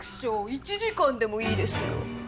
１時間でもいいですよ。